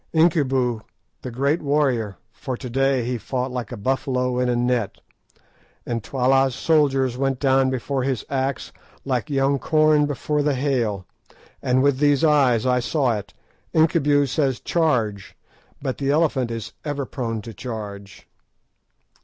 Incubu, the great warrior—for to day he fought like a buffalo in a net, and Twala's soldiers went down before his axe like young corn before the hail; with these eyes I saw it—Incubu says 'Charge'; but the Elephant is ever prone to charge.